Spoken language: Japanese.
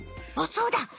あっそうだ！